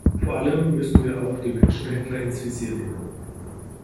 Vor allem müssen wir auch die Menschenhändler ins Visier nehmen.